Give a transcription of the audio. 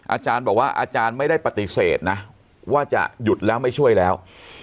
อาจารย์บอกว่าอาจารย์ไม่ได้ปฏิเสธนะว่าจะหยุดแล้วไม่ช่วยแล้ว